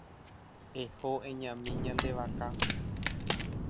Eho eñami ñande vaka.